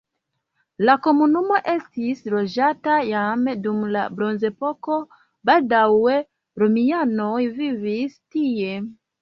La komunumo estis loĝata jam dum la bronzepoko, baldaŭe romianoj vivis tie.